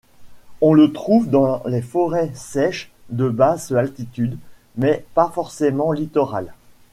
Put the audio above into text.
On le trouve dans les forêts sèches de basse altitude, mais pas forcément littorales.